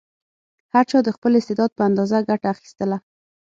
هر چا د خپل استعداد په اندازه ګټه اخیستله.